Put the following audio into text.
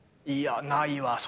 いやないわ。